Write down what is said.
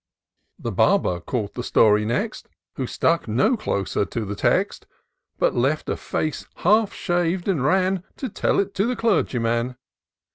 The Barber caught the story next, Who stuck no closer to the text ; But left a face half shav'd, and ran To tell it to the Clergyman.